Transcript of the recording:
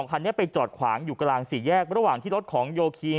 คันนี้ไปจอดขวางอยู่กลางสี่แยกระหว่างที่รถของโยคี